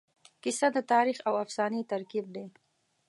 کیسه د تاریخ او افسانې ترکیب دی.